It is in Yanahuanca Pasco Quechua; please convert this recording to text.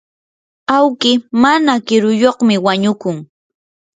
awki mana kiruyuqmi wañukun.